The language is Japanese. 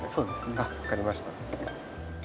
あっ分かりました。